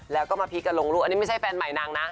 แล้วก็มาพีคกันลงรูปอันนี้ไม่ใช่แฟนใหม่นางนะ